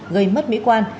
gây mất mỹ quan